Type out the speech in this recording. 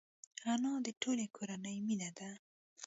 انا د ټولې کورنۍ مینه ده